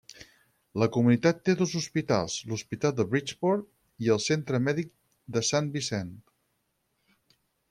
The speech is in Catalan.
La comunitat té dos hospitals, l'Hospital Bridgeport i el Centre Mèdic de Sant Vicent.